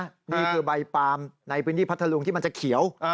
นี่คือใบปาล์มในพื้นที่พัทธรุงที่มันจะเขียว